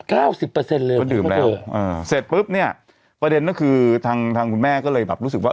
๙๐เลยเพราะดื่มแล้วเสร็จปุ๊บเนี่ยประเด็นนั่นคือทางคุณแม่ก็เลยแบบรู้สึกว่า